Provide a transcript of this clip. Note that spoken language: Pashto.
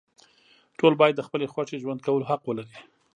ټول باید د خپلې خوښې ژوند کولو حق ولري.